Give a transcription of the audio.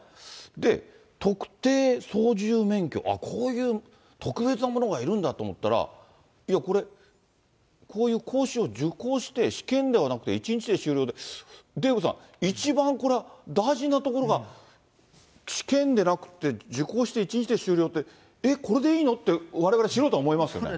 で、特定操縦免許、ああ、こういう特別なものがいるんだと思ったら、いやこれ、こういう講習を受講して、試験ではなくて１日で終了って、デーブさん、一番これ、大事なところが試験でなくて、受講して１日で終了って、えっ、これでいいの？ってわれわれ、素人は思いますよね。